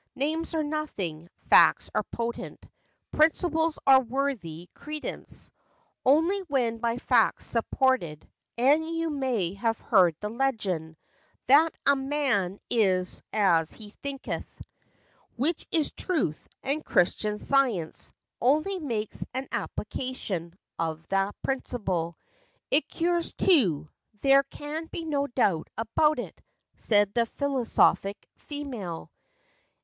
Names are nothing; facts are potent; Principles are worthy credence, Only when by facts supported, And you may have heard the legend, That 'A man is as he thinketh;' Which is truth, and Christian science Only makes an application Of the principle. It cures, too; There can be no doubt about it! " Said the philosophic female.